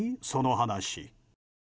その話。